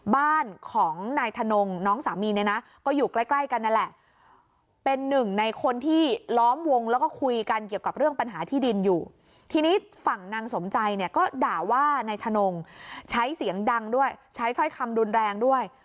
บ้านของนายถนงน้องสามีเนี่ยนะก็อยู่ใกล้ใกล้กันนั่นแหละเป็นหนึ่งในคนที่ล้อมวงแล้วก็คุยกันเกี่ยวกับเรื่องปัญหาที่ดินอยู่ทีนี้ฝั่งนางสมใจเนี่ยก็ด่าว่านายถนงใช้เสียงดังด้วยใช้ถ้อยคำรุนแรงด้วย